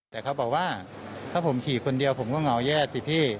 แต่เขาบอกว่าถ้าผมขี่คนเดียวผมก็เหงาแย่สิพี่